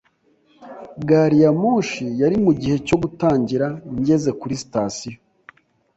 Gari ya moshi yari mugihe cyo gutangira ngeze kuri sitasiyo.